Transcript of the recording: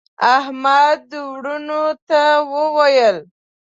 احمد وروڼو ته وویل: